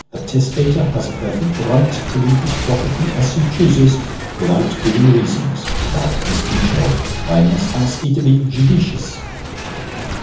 'A testator has a perfect right to leave his property as he chooses, without giving reasons. Now, Miss Beechinor, I must ask ye to be judeecious.'